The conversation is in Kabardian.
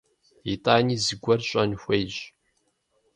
ИтӀани зыгуэр щӀэн хуейщ.